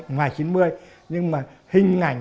ngoài chín mươi nhưng mà hình ảnh